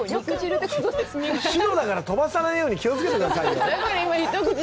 白だから飛ばさないように気をつけてくださいよ。